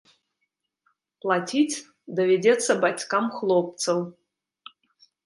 Плаціць давядзецца бацькам хлопцаў.